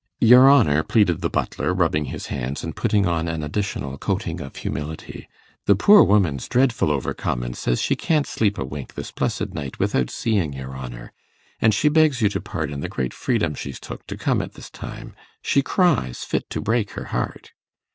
'Your honour,' pleaded the butler, rubbing his hands, and putting on an additional coating of humility, 'the poor woman's dreadful overcome, and says she can't sleep a wink this blessed night without seeing your honour, and she begs you to pardon the great freedom she's took to come at this time. She cries fit to break her heart.